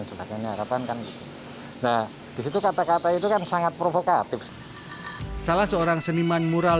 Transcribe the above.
sebagainya harapan kan nah disitu kata kata itu kan sangat provokatif salah seorang seniman mural